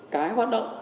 cái hoạt động